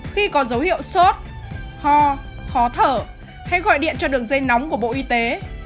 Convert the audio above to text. khi có dấu hiệu sốt ho khó thở hãy gọi điện cho đường dây nóng của bộ y tế một nghìn chín trăm linh chín nghìn chín mươi năm